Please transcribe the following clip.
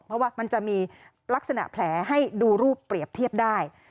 เพราะว่ามันจะมีลักษณะแผลให้ดูรูปเปรียบเทียบได้